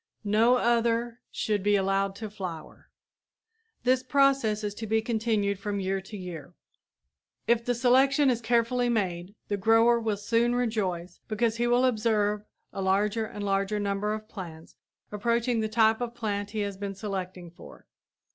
No other should be allowed to flower. This process is to be continued from year to year. If the selection is carefully made, the grower will soon rejoice, because he will observe a larger and a larger number of plants approaching the type of plant he has been selecting for.